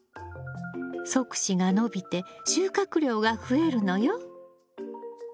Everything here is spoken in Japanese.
側枝が伸びて収穫量が増えるのよ。